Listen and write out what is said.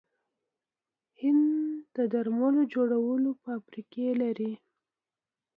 هند د درملو جوړولو فابریکې لري.